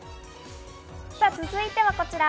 続いてはこちら。